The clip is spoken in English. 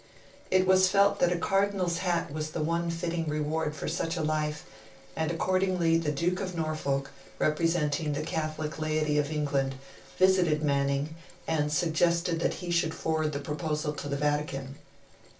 It was felt that a Cardinal's hat was the one fitting reward for such a life, and accordingly the Duke of Norfolk, representing the Catholic laity of England, visited Manning, and suggested that he should forward the proposal to the Vatican.